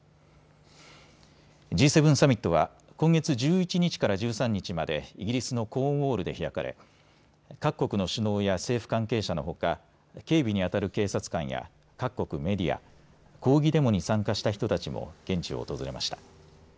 Ｇ７サミットは今月１１日から１３日までイギリスのコーンウォールで開かれ各国の首脳や政府関係者のほか警備にあたる警察官や各国メディア、抗議デモに参加した人たちも現地を訪れました。